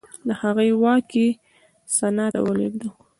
د هغې واک یې سنا ته ولېږداوه